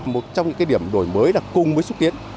một trong những điểm đổi mới là cùng với xúc tiến